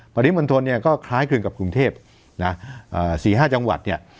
ปริมณฑลเนี่ยก็คล้ายคลึงกับกรุงเทพนะ๔๕จังหวัดเนี่ย